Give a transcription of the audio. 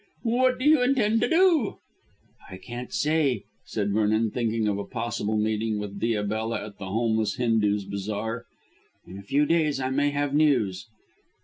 "What do you intend to do?" "I can't say," said Vernon, thinking of a possible meeting with Diabella at The Homeless Hindoos' Bazaar. "In a few days I may have news."